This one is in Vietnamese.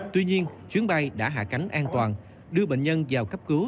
tuy nhiên chuyến bay đã hạ cánh an toàn đưa bệnh nhân vào cấp cứu